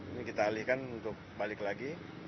ini kita alihkan untuk balik lagi